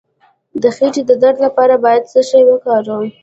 د خیټې د درد لپاره باید څه شی وکاروم؟